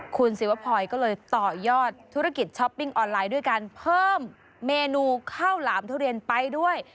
คุณศิวพรก็เลยต่อยอดธุรกิจช้อปปิ้งออนไลน์ด้วยการเพิ่มเมนูข้าวหลามทุเรียนไปด้วย